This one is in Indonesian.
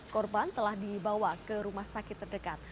korban telah dibawa ke rumah sakit terdekat